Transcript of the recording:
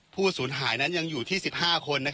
สูญหายนั้นยังอยู่ที่๑๕คน